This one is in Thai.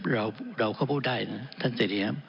เราก็พูดได้นะท่านเจดีครับ